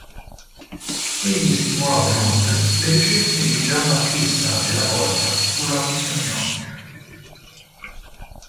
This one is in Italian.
Egli stimolò inoltre le ricerche di Giambattista della Porta sulla fisiognomica.